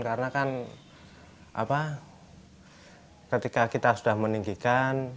karena kan ketika kita sudah meninggikan